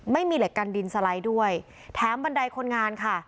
ไม่มีเหล็กกันดินสไลด์ด้วยแถมบันไดคนงานค่ะ